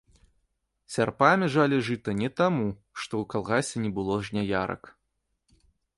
Сярпамі жалі жыта не таму, што ў калгасе не было жняярак.